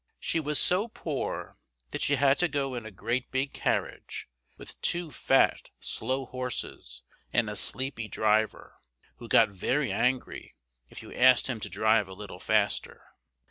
She was so poor that she had to go in a great big carriage, with two fat, slow horses and a sleepy driver, who got very angry if you asked him to drive a little faster.